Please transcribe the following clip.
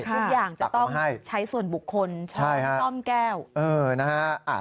ทุกอย่างจะต้องใช้ส่วนบุคคลใช้ต้อมแก้ว